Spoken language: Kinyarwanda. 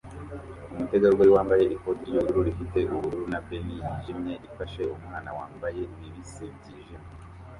Umutegarugori wambaye ikoti ryubururu rifite ubururu na beanie yijimye ifasha umwana wambaye bibisi byijimye